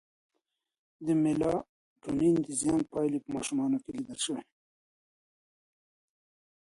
د میلاټونین د زیان پایلې په ماشومانو کې لیدل شوې.